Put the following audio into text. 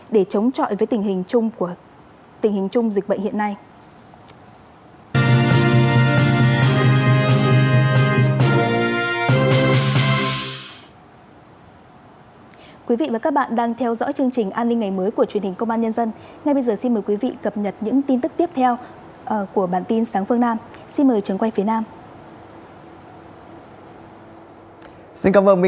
để chống chọi với tình hình chung dịch bệnh hiện nay